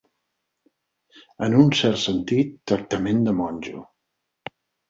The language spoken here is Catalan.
En un cert sentit, tractament de monjo.